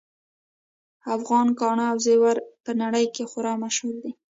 افغان ګاڼه او زیور په نړۍ کې خورا مشهور دي